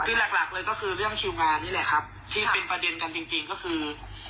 คือหลักหลักเลยก็คือเรื่องคิวงานนี่แหละครับที่เป็นประเด็นกันจริงก็คือ